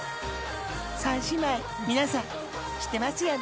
［３姉妹皆さん知ってますよね？］